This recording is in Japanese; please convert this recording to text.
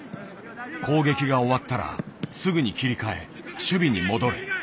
「攻撃が終わったらすぐに切り替え守備に戻れ」。